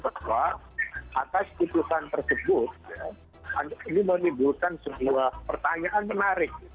bahwa atas putusan tersebut ini menimbulkan sebuah pertanyaan menarik